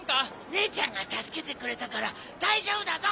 ねえちゃんが助けてくれたから大丈夫だぞ！